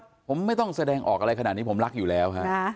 ผมไม่ต้องแสดงออกอะไรขนาดนี้ผมรักอยู่แล้วฮะ